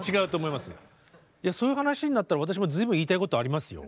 いやそういう話になったら私も随分言いたいことありますよ！